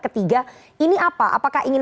ketiga ini apa apakah ingin